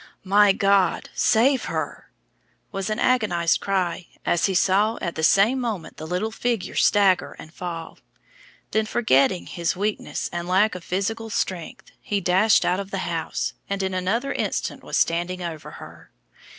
"My God, save her!" was his agonized cry, as he saw at the same moment the little figure stagger and fall. Then, forgetting his weakness and lack of physical strength, he dashed out of the house, and in another instant was standing over her.